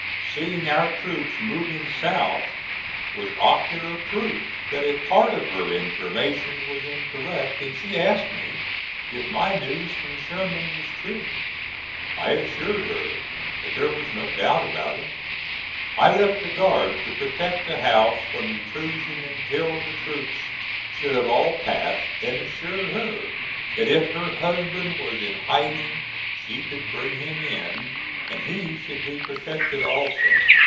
Seeing our troops moving south was ocular proof that a part of her information was incorrect, and she asked me if my news from Sherman was true. I assured her that there was no doubt about it. I left a guard to protect the house from intrusion until the troops should have all passed, and assured her that if her husband was in hiding she could bring him in and he should be protected also.